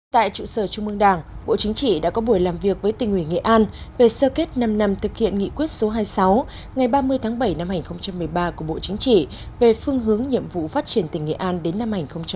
tại trụ sở trung mương đảng bộ chính trị đã có buổi làm việc với tỉnh nguyễn nghệ an về sơ kết năm năm thực hiện nghị quyết số hai mươi sáu ngày ba mươi tháng bảy năm hai nghìn một mươi ba của bộ chính trị về phương hướng nhiệm vụ phát triển tỉnh nghệ an đến năm hai nghìn hai mươi